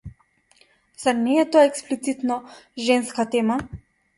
Зар не е тоа експлицитно женска тема?